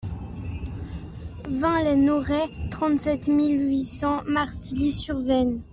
vingt les Noraies, trente-sept mille huit cents Marcilly-sur-Vienne